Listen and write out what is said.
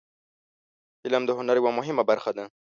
فلم د هنر یوه مهمه برخه ده